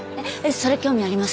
それ興味あります。